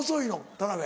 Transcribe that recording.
田辺。